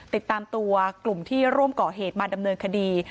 ติดตามตัวกลุ่มที่ร่วมก่อเหตุมาดำเนินคดี